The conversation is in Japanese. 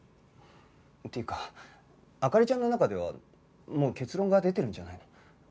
っていうか灯ちゃんの中ではもう結論が出てるんじゃないの？